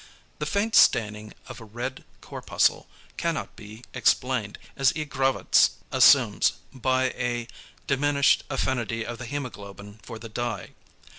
The faint staining of a red corpuscle cannot be explained, as E. Grawitz assumes, by a diminished affinity of the hæmoglobin for the dye.